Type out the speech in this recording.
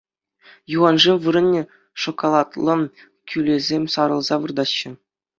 Юханшыв вырӑнне шоколадлӑ кӳлӗсем сарӑлса выртаҫҫӗ.